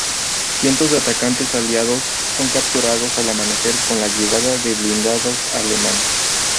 Cientos de atacantes aliados son capturados al amanecer con la llegada de blindados alemanes.